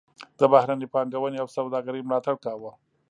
د بهرنۍ پانګونې او سوداګرۍ ملاتړ کاوه.